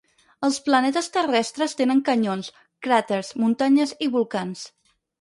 Els planetes terrestres tenen canyons, cràters, muntanyes i volcans.